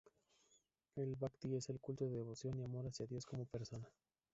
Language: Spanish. El bhakti es el culto de devoción y amor hacia Dios como persona.